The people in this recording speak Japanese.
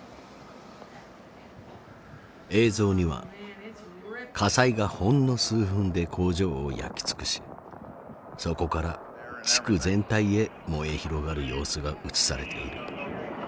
映像には火災がほんの数分で工場を焼き尽くしそこから地区全体へ燃え広がる様子が映されている。